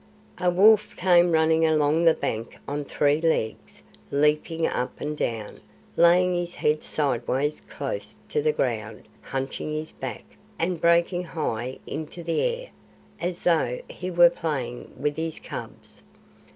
A wolf came running along the bank on three legs, leaping up and down, laying his head sideways close to the ground, hunching his back, and breaking high into the air, as though he were playing with his cubs.